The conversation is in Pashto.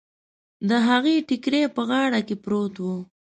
د هغې ټکری په غاړه کې پروت و.